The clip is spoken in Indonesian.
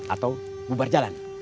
atau bubar jalan